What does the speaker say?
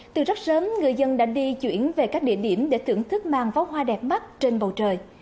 từ rất sớm người dân đã đi chuyển về các địa điểm để thưởng thức màn pháo hoa đẹp mắt trên bầu trời